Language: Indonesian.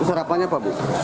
keserapannya apa bu